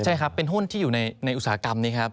ใช่ครับเป็นหุ้นที่อยู่ในอุตสาหกรรมนี้ครับ